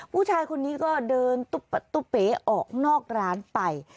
ผู้ชายคนนี้ก็เดินตุ๊เป๋ออกนอกร้านไป